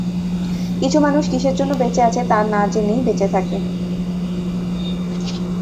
কিছু মানুষ কিসের জন্য বেঁচে আছে তা না জেনেই বেঁচে থাকে।